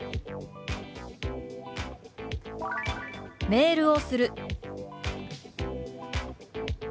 「メールをする」。